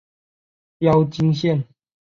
标津线。